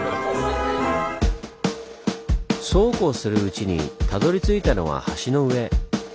そうこうするうちにたどりついたのは橋の上。